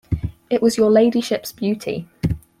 It was your Ladyship's beauty.